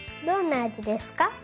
どんなあじですか？